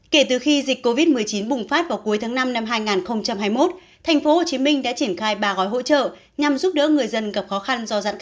kể từ khi dịch covid một mươi chín bùng phát vào cuối tháng năm năm hai nghìn hai mươi một tp hcm đã triển khai ba gói hỗ trợ nhằm giúp đỡ người dân gặp khó khăn do giãn cách